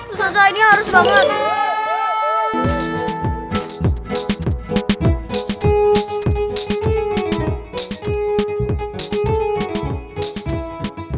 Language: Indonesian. ustazah ini harus bangun